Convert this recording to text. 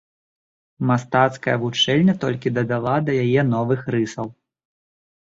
Мастацкая вучэльня толькі дадала да яе новых рысаў.